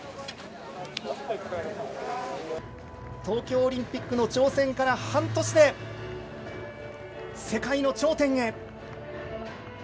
東京オリンピックの挑戦から半年で世界の頂点へ。